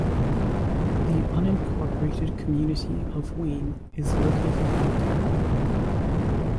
The unincorporated community of Wien is located in the town.